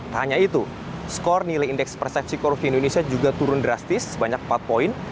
tak hanya itu skor nilai indeks persepsi korupsi indonesia juga turun drastis sebanyak empat poin